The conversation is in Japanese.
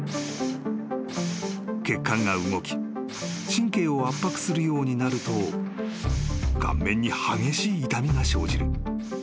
［血管が動き神経を圧迫するようになると顔面に激しい痛みが生じる］